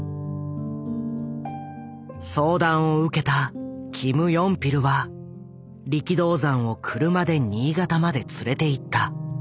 相談を受けたキム・ヨンピルは力道山を車で新潟まで連れていった。